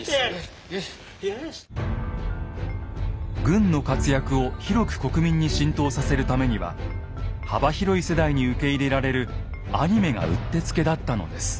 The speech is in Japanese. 軍の活躍を広く国民に浸透させるためには幅広い世代に受け入れられるアニメがうってつけだったのです。